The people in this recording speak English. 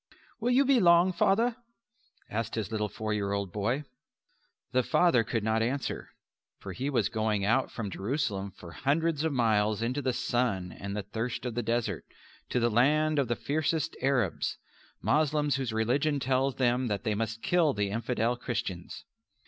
"Will you be long, Father?" asked his little four year old boy. The father could not answer, for he was going out from Jerusalem for hundreds of miles into the sun and the thirst of the desert, to the land of the fiercest Arabs Moslems whose religion tells them that they must kill the infidel Christians.